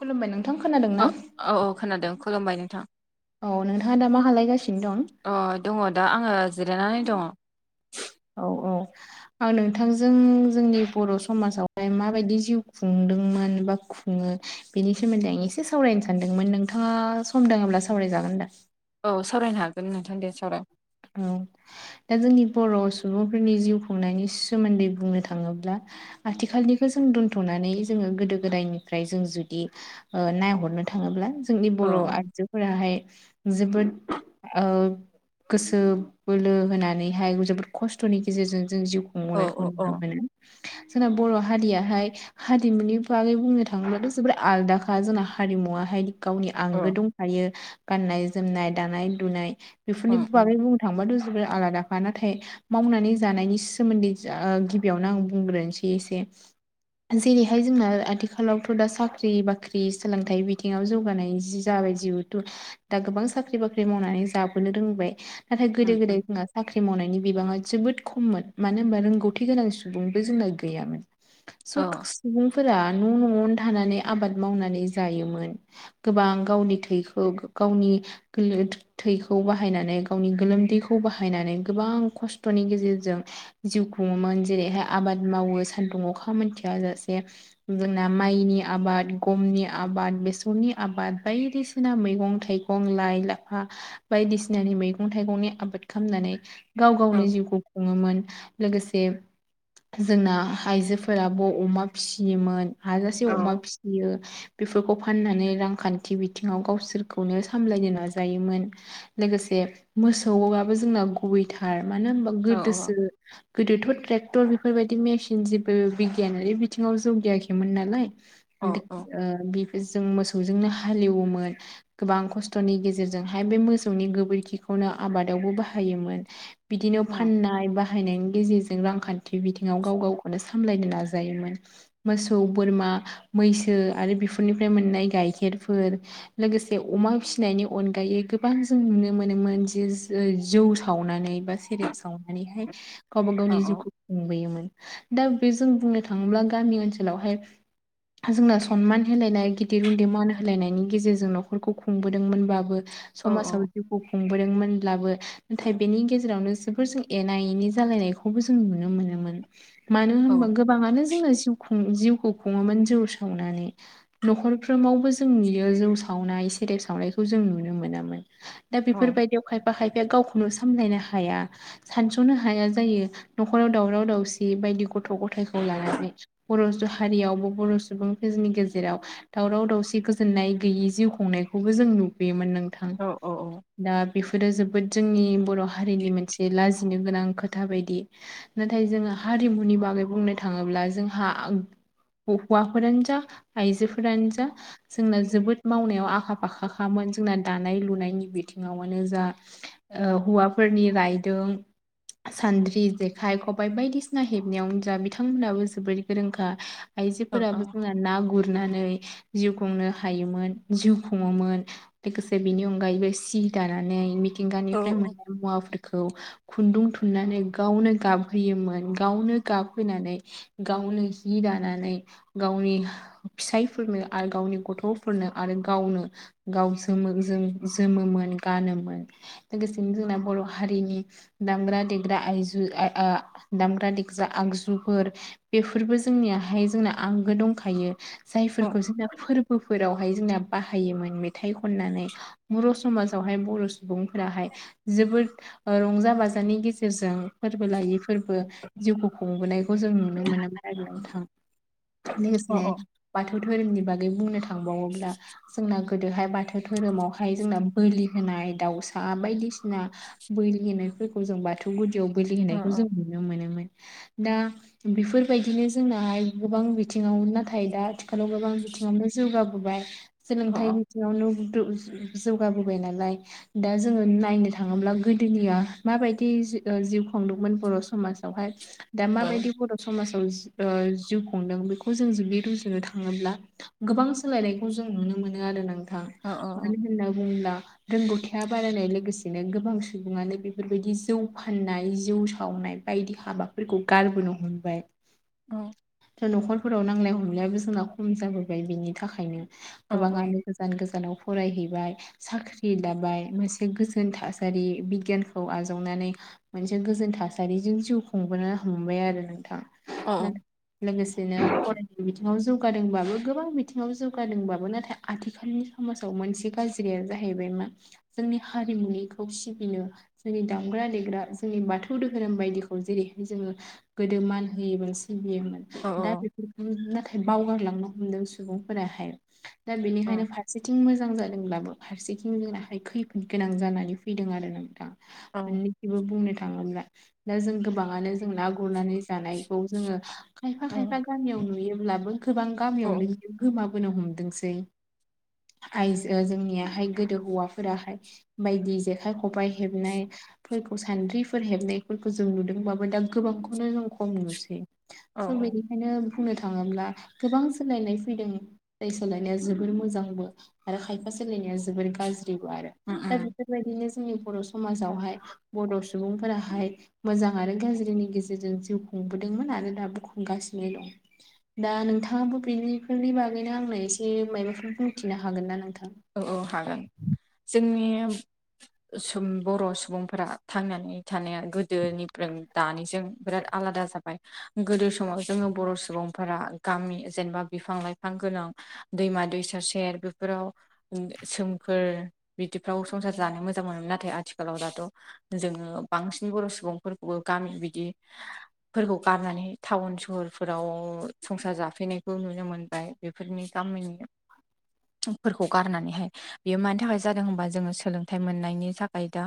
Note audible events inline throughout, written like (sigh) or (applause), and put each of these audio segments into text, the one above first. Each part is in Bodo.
खलुमबाय नों औ औ औ खोनादों खुलुमबाय नोंथां। औ नोंथाङा दा मा खालायगासिनो? दं अ दङ' दा आङो जिरायनानै दङ'। औ औ आं नोंथांजों जोंनि बर' समाजावहाय माबायदि जिउ खुंदोंमोन बा खुं खुङो बेनि सोमोन्दै आं इसे सावरायनो सानदोंमोन नोंथाङा सम दोङोब्ला सावरायजागोन दा? औ सावरायनो हागोन नोंथां दे सावराय। औ दा जोंनि बर' सुबुंफोरनि जिउ खुंनायनि सोमोन्दै बुंनो थाङोब्ला आथिखालनिखो जों दोन्थ'नानै जोङो गोदो गोदायनिफ्राय जों जुदि नायहरनो थाङोब्ला जोंनि अ बर' आइजोफोराहाय जोबोद गोसो बोलो होनानैहाय जोबोद खस्थ'नि गेजेरजों जों जिउ अ खुंबनायखौ अ नुनो मोनो। जोंना बर' हारियाहाय हारिमुनि बागै बुंनो थाङोब्लाथ' जबोद आलादाखा जोंना हारिमु मुवाहाय गावनि अ आंगो दंखायो गाननाय-जोमनाय, दानाय-लुनाय अ बुंनो थांबाथ' जोबोर आलादाखा नाथाय मावनानै जानायनि सोमोन्दै गिबियावनो ओ आं बुंग्रोनि इसे इसे जेरैहाय जोंना आथिखालावथ' दा साख्रि बाख्रि सोलोंथाइ बिथिङाव जौगानाय जि जा जिउतु दा गोबां साख्रि बाख्रि मावनानै जाबोनो रोंबाय नाथाय गोदो उम गोदाय जों साख्रि मावनायनि बिबाङा जोबोद खममोन मानो होनबा रोंगौथि गोनां सुबुंबो जोंना गैयामोन। अ सख औ सुबुं फोरा न' न'आवनो थानानै आबाद मावनानै जायोमोन गोबां गावनि थैखौ गावनि गोल थैखौ बाहायनानै गावनि गोलोमदैखौ बाहायनानै गोबां खस्थ'नि गेजेरजों जिउ खुङोमोन जेरैहाय आबाद आबाद मावो सान्दुं अखा मोनथिया जासे जोंना माइनि आबाद गमनि आबाद बेसरनि आबाद बायदिसिना मैगं-थाइगं, लाइ-लाफा बायदिसिनानि मैगं मैगं-थाइगंनि आबाद खामनानै गाव औ गावनि जिउखौ खुङोमोन लोगोसे जोंना आइजोफोराबो अमा फिसियोमोन हाजासे औ अमा फिसियो बेफोरखौ फाननानै रांखान्थि बिथिङाव गावसोरखौनो सामलायनो नाजायोमोन लोगोसे मोसौआबो जोंना गुबैथार मानो होनबा औ गोदोसो गोदोथ' ट्रेक क्टर बेफोरबायदि मेसिन जेबो बिगियानारि बिथिङाव जौगायाखैमोन नालाय अ अ बेफोर जों मोसौ मोसौजोंनो हालेवोमोन गोबां खस्थ'नि गेजेरजोंहाय बे मोसौनि गोबोरखि खौनो आबादावबो बाहायोमोन बिदिनो अ फाननाय बाहायनाय गेजेरजों रांखान्थि बिथिङाव गाव गावखौनो सामलायनो नाजायोमोन मोसौ बोरमा मैसो आरो बेफोरनिफ्राय मोननाय गाइखेरफोर लोगोसे अमा फिसिनायनि अनगायै गोबां जों नुनो मोनोमोन जे जौ सावनानै बा सेरेब सावनानैहाय गावबा अ औ गावनि जिउखौ खुंबोयोमोन दा बे जों बुंनो थाङोब्ला गामि ओनसोलावहाय जोंनो सनमान होलायनाय गिदिर उनदै मान होलायनायनि गेजेरजों न'खरखौ खुंबोदोंमोनबाबो औ समाजाव बोदोंमोनब्लाबो नाथाय बेनि गेजेरावनो जोबोर जों एना एनि जालायनायखौबो जों नुनो मोनो। मानो होनबा गोबाङानो जोंना जिउखौ खुङोमोन जौ सावनानै न'खरफ्रोमावबो जों नुयो जौ सावनाय बे सावनायखौ जों नुनो मोनोमोन, दा बेफोरबायदियाव खायफा खायफाया गावखौ सामलायनो हाया सानस'नो हाया जायो न'खराव दावराव दावसि बायदि गथ' गथाय (inaudible) बर' हारियावबो बर' सुबुंफोरनि गेजेराव दावराव दावसि गोजोननाय गैयि जिउ खुंनाय खौबो जों नुबोयोमोन नों औ औ औ दा बेफोरो जोबोद जोंनि बर' हारिनि मोनसे लाजिनो गोनां खोथा बायदि नाथाय जोङो हारिमुनि बाग गै बुंनो थाङोब्ला जोंहा हौवाफोरानो जा आइजोफोरानो जा जोंना जोबोद मावनायाव आखा फाखाखामोन जोंना दानाय लुनायनि बिथिङावानो जा हौवाफोरनि रायदों सानद्रि जेखाइ खबाय बायदिसिना हेबनायावनो जा बिथांमोनहाबो जोबोद गोरोंखा औ आइजोफोराबो अ जोंना ना गुरनानै जिउ खुंनो हायोमोन जिउ खुङोमोन लोगोसे बेनि अनगायैबो सि दानानै मिथिंगानिफ्राय मोननाय मुवाफोरखौ खुनदुं थुननानै गावनो गाब होयोमोन गावनो गाब होनानै गावनो जि दानानै गावनि फिसायफोरनो आरो गावनि गथ'फोरनो आरो गावनो (unintelligible) जोमोमोन गानोमोन लोगोसेनो जोंना बर' हारिनि दामग्रा देग्रा आइ दामग्रा देग्रा आगजुफोर बेफोरबो जोंनियाहाय जोंना आंगो दंखायो। जायफोरखौ जोंना फोरबोफोरावहाय जोंना बाहायोमोन मेथाइ खननानै बर' समाजावहाय बर' सुबुंफोराहाय जोबोद रंजा बाजानि गेजेरजों फोरबो लायै फोरबो जिउखौ खुंबोनायखौ जों नुनो मोन अ औ अ लोगोसेनो बाथौ थौ धोरोमनि बागै बुंनो थांबावोब्ला जोंना गोदोहाय बाथौ धोरोमाव ओमफाय जोंना बोलि होनाय दाउसा बायदिसिना बोलि होनायफोरखौ जों बाथौ गुदियाव बोलि होनायखौ नुनो मोनोमोन दा बेफोरबायदिनो जोंनाहाय गोबां बिथिङाव नाथाय दा आथिखालाव गोबां बिथिङावनो जौगाबोबाय अ सोलोंथाइ बिथिङावनो जौगाबोबाय नालाय दा जोङो नायनो थाङोब्ला गोदोनिया माबायदि जि जिउ। खुंदोंमोन बर' समाजावहाय दा माबायदि बर' समाजाव। जिउ खुंदों बेखौ जों जुदि रुजुनो थाङोब्ला गोबां सोलायनायखौ जों नुनो मोनो आरो नोंथां। थां। होनना बुङोब्ला रोंगौथिया बारायनाय लोगोसेनो गोबां सुबुङानो बेफोरबायदि जौ फाननाय। जौ सावनाय बायदि हाबाफोरखौ गारबोनो हमबाय। औ। दा न'खरफोराव नांलाय खमलायाबो जोंना खम जाबोबाय बिनि थाखायनो। गोबाङानो गोजान गोजानाव फरायहैबाय। साख्रि लाबाय मोनसे गोजोन थासारि बिगियानखौ आजावनानै मोनसे। गोजोन थासारिजों जिउ खुंबोनो हमबाय आरो। नोंथां लोगोसेनो फराय बिथिङाव जौ -गादोंबाबो गोबां बिथिङाव जौगादोंबाबो नाथाय आथिखालनि समाव मोन‌से। गाज्रिया जाहैबाय मा जोंनि हारिमुनिखौ सिबिनो जोंनि दामग्रा-देग्रा जों जोंनि बाथौ दोहोरोम बायदिखौ जेरैहाय जोङो गोदो मान होयोमोन। सिबियोमोन दा बेफोरखौ नाथाय बावगारलांनो हमदों सुबुंफोराहाय। दा बेनिखायनो फारसेथिं मोजां जादों। होनब्लाबो फारसेथिं जोंनाहाय खैफोद गोनां जानानै फैदों आरो ना नोंथां। अ अ मोननैखौबो बुंनो थाङोब्ला दा जों गोबाङानो जों ना गुरनानै जानाय।। खौ जों खायफा खायफा गामियाव नुयोबो गोबां गामियावनो गोमा बोनो हमदोंसै आइजो जोंनियाहाय गोदो हौवाफोराहाय बायदि जेखाइ खबाइ हेबनायफोरखौ सान द्रिफोर हेबनायफोरखौ जों नुदोंबाबो दा गोबांखौनो जों खम नुसै। स' बेनिखायनो बुंनो थाङोब्ला गोबां सोलायनाय फैदों जाय सोलायनाया जोबोर मोजांबो। आरो खायफा सोलायनाया जोबोर गाज्रिबो आरो दा बेफोरबायदिनो। जोंनि बर' समाजावहाय बर' सुबुंफोराहाय मोजां आरो गाज्रिनि गेजेरजों जिउ खुं -बोदोंमोन आरो दाबो खुंगासिनो दं दा नोंथाङाबो बेनिफोरनि बागैनो आंनो एसे। एसे माबाफोर बुंथिनो हागोन ना नोंथां? औ औ हागोन जोंनि। बर' सुबुंफोरा थांनानै थानाया गोदोनिफ्राय दानिजों। बिराद आलादा जाबाय गोदो समाव जोङो बर' सुबुंफोरा गामि जेनेबा बिफां-लाइफां। बिफां गोनां दैमा-दैसा सेर बेफोराव सोमखोर बिदिफ्राव संसार जानो मोजां मोनोमोन नाथाय आथिखालाव दाथ' जोङो बांसिन बर' सुबुंफोरखौबो गामि बिदिफोरखौ गारनानै टाउन सहरफोराव। संसार जाफैनायखौ नुनो मोनबाय बेफोरनि गामिनिफोरखौ। गारनानैहाय बेयो मानि थाखाय जादों होनबा जोङो सोलोंथाइ मोननायनि थाखाय दा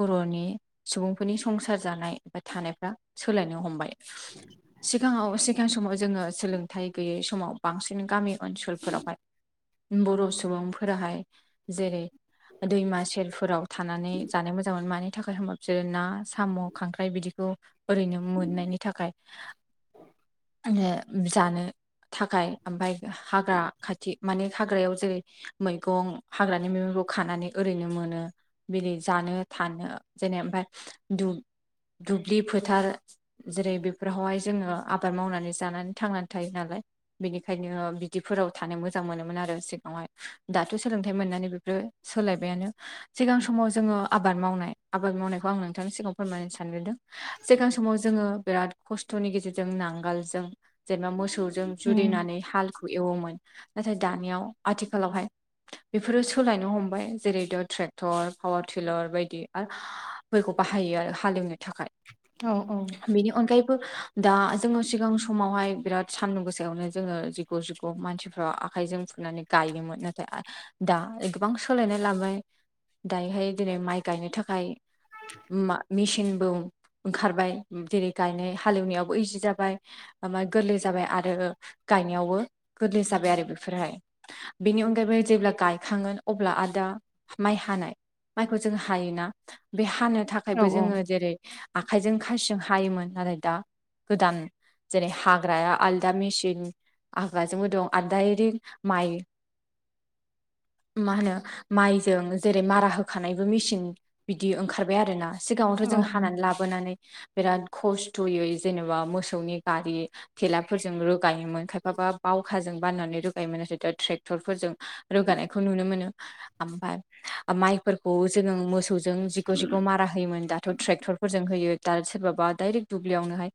बर'नि सुबुंफोरनि संसार जानाय बा थानायफ्रा। सोलायनो हमबाय सिगाङाव सिगां समाव जोङो सोलोंथाइ गैयै समाव। बांसिन गामि ओनसोलफोरावहाय बर' सुबुंफोराहाय जेरै दैमा सेरफोराव थानानै जानो मोजां मोनो मानि थाखाय होनोबा बिसोरो ना साम' खांख्राइ बिदिखौ ओरैनो मोननायनि। थाखाय औ। जानो थाखाय ओमफ्राय हाग्रा खाथि माने हाग्रायाव जेरै मैगं हाग्रानि मैगंफोरखौ खानानै ओरैनो मोनो बिदिनो जानो थानो। बिदिनो ओमफ्राय दु दुब्लि फोथार जेरै बेफोरावहाय जोङो आबाद मावनानै जानानै थांनानै थायो नालाय। बिनिखायनो बिदिफोराव थानो मोजां मोनोमोन आरो सिगाङावहाय। दाथ' सोलोंथाइ मोननानै बेफोरो सोलायबायानो सिगां समाव जोङो आबाद मावनाय आबाद मावनायखौ आं नोंथांनि सिगाङाव फोरमायनो सानग्रोदों सिगां समाव जोङो बिराद खस्थ'नि गेजेरजों नांगोलजों जेनेबा मोसौजों जुरिनानै हालखौ एवोमोन नाथाय दानियाव आथिखाल आथिखालावहाय बेफोरो सोलायनो हमबाय जेरै दा ट्रेक्टर पावार टिलर बायदि आरो बे फोरखौ बाहायो आरो हालेवनो थाखाय औ बेनि अनगायैबो दा जोङो सिगां समावहाय बिराद सान्दुं गोसा यावनो जोङो जिग' जिग' मानसिफ्रा आखाइजों फुनानै गायोमोन आरो दा गोबां सोलायनाय लाबाय। दायोहाय दिनै माइ गायनो थाखाय मेसिनबो ओंखारबाय जेरै गायनाय हालेवनायावबो इजि जाबाय ओमफ्राय गोरलै जाबाय आरो गायनायावबो गोरलै जाबाय आरो बेफोरहाय बेनि अनगायैबो जेब्ला गायखाांगोन अब्ला आदा माइ हानाय माइखौ जों हायोना बे हानो औ थाखायबो जोङो जेरै आखाइजों खासिजों हायोमोन नाथाय दा गोदान जेरै हाग्राया आलदा मेसिन हाग्राजोंबो दं आलदा इदि माइ (inaudible) मा होनो माइजों जेरै मारा होखानायबो मेचिन बिदि ओंखारबाय आरो ना सिगाङावथ' औ जों हानानै लाबोनानै बिराद खस्थ'यै जेनेबा मोसौनि गारि थेलाफोरजों रोगायोमोन खायफाबा बावखाजों बाननानै रोगायोमोन आरो ट्रेक्टर फोरजों रोगानायखौ नुनो मोनो आमफ्राय माइफोरखौ जोङो मोसौजों जिग' जिग' मारा होयोमोन दाथ' ट्रेक्टरफोरजों होयो दा सोरबाबा दडायरेक्ट दुब्लियावनोहाय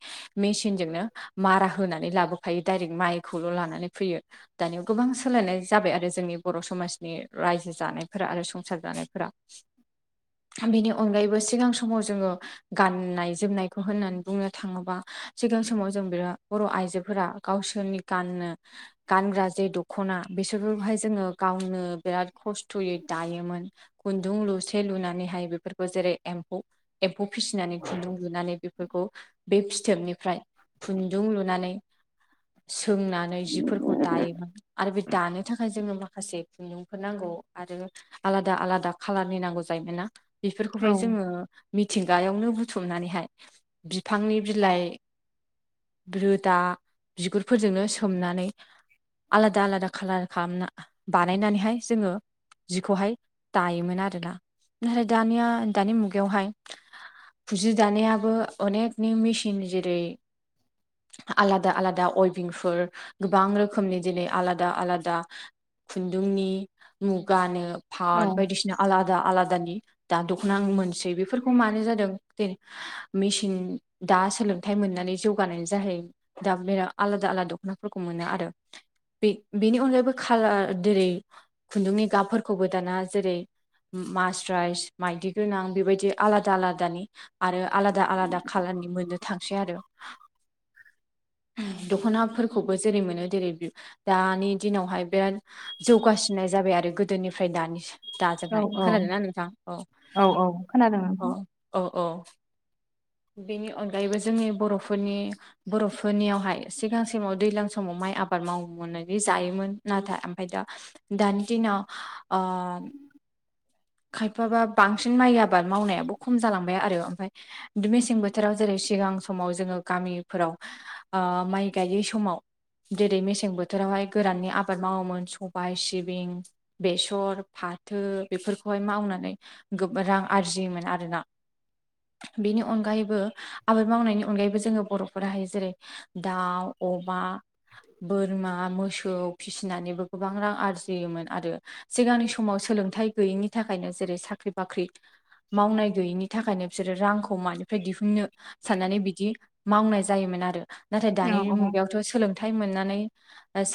मेसिनजोंनो मारा होनानै लाबोफायो दडाइरेक्ट माइखौल' लानानै फैयो दानि गोबां सोलायनाय जाबाय आरो जोंनि बर' समाजनि रायजो जानायफोरा आरो संसार जानायफोरा। बेनि अनगायैबो सिगां समाव जोङो गाननाय जोमनायखौ होननानै बुंनो थाङोबा सिगां समाव जों बिराद बर' आइजोफोरा गावसोरनि गाननो गानग्रा जे दख ना बिसोरहाय जोङो गावनो बिराद खस्थ'यै दायोमोन खुन्दुं लुसे लुनानैहाय बेफोरखौ जेरै एम्फौ एम्फौ फिसिनानै खुन्दुं लुनानै बे बे फिथोबनिफ्राय खुन्दुं लुनानै सोंनानै जिफोरखौ दायोमोन। आरो बे दानो थाखाय जोंनो माखासे खुन्दुंफोर नांगौ आरो आलादा आलादा कालारनि नांगौ जायो। बेफोरखौहाय जोङो मि थिंगायावनो बुथुमनानैहाय बिफांनि बिलाइ रोदा बिगुरफोरजोंनो सोमनानै आलादा आलादा कालार खालामना बानायनानैहाय जोङो जिखौहाय दायोमोन आरोना फ्राय दानिया दानि मुगायावहाय फुजि दानायाबो अनेकनि मेसिन जेरै आलादा आलादा अइभिंफोर गोबां रोखोमनि दिनै आलादा आलादा खुन्दुंनि मुगानो औ फाट बायदिसिना आलादा आलादा दखनाखौ मोनसै बेफोरोखौ मानो‌ जादों जेरै मेसिन (inaudible) सोलोंथाइ मोननानै जौगानायनि जाहै दा बेराद आलादा आलादा दख'नाफोरखौ मोनो आरो (inaudible) बे बेनि अनगायैबो खालार जेरै खुन्दुंनि गाबफोरखौबो दाना जेरै मासराइस माइदि गोनां बेबायदि आलादा आलादानि आरो आलादा आलादा कालार नि मोननो थांसै आरो। (inaudible) दख'नाफोरखौबो जेरै मोनो जेरै दानि दिनावहाय बे जौगासिननाय जाबाय आरो गोदोनिफ्राय दानि औ दाजोंहाय खोनादों ना नोंथां औ औ खोनादों नोंथां औ औ औ बेनि अनगायैबो जोंनि बर'फोरनि बर'फोरनियावहाय सिगांसिमाव दैज्लां समाव मा आबाद मावोननानै जायोमोन नाथाय ओमफ्राय दा दानि दिनाव ओ (inaudible) खायफाबा बांसिन माइ आबाद मावनायाबो खम जालांबाय आरो ओमफ्राय मेसें बोथोराव जेरै सिगां समाव जोङो गामिफोराव माइ गायै समाव जेरै मेसें बोथोरावहाय गोराननि आबाद मावोमोन सबाय सिबिं बेसर फा फाथो बेफोरखौहाय मावनानै गोबां रां आरजियोमोन आरोना (inaudible) बेनि अनगायैबो आबाद मावनायनि अनगायैबो जोङो बर' फोराहाय जेरै दाउ, अमा बोरमा, मोसौ फिसिनानैबो गोबां रां आरजियोमोन आरो सिगांनि समाव सो लोंथाइ गैयैनि थाखायनो जेरै साख्रि बाख्रि मावनाय गैयैनि थाखायनो बिसोरो रांखौ मानिफ्राय दिहुननो साननानै बिदि मावनाय जायोमोन आरो नाथाय औ दानि औ मुगायावथ' सोलों थाइ मोननानै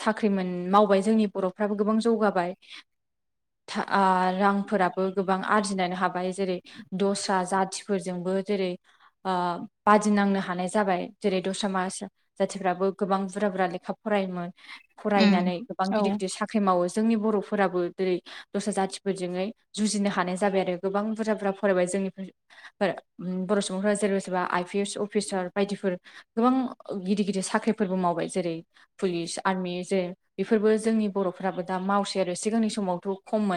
साख्रि मोन मावबाय जोंनि बर'फ्राबो गोबां जौगाबाय ओ रांफोराबो गोबां आरजिनो हाबाय जेरै दस्रा जाथिफोरजोंबो जेरै ओ बादिनांनो हानाय जाबाय जेरै दसा माज जाथिफ्राबो गोबां बुरजा लेखा फरायोमोन फरायनानै गोबां औ गिदिर गिदिर साख्रि मावो जोंनि बर'फोराबो जेरै दस्रा जाथिफोरजों जुजिनो हानाय जाबाय आरो गोबां बुरजा बुरजा फरायबाय (unintelligible) बर' सुबुंफोरा जेरै सोरबा आइ पि एस अफिसार बायदिफोर गोबां गिदिर गिदिर साख्रिफोरबो माव बोबाय जेरै पुलिस आर्मि जेरै बेफोरबो जोंनि बर'फ्राबो दा मावसै आरो सिगांनि समावथ' खममोन